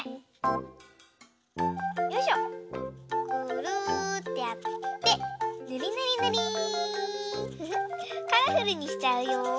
ぐるってやってぬりぬりぬり。フフ。カラフルにしちゃうよ。